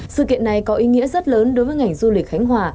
sự kiện này có ý nghĩa rất lớn đối với ngành du lịch khánh hòa